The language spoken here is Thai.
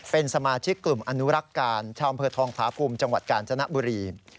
เป็นสมาชิกกลุ่มอนุรักษ์การชาวอำเภอทองผาภูมิจังหวัดกาญจนบุรี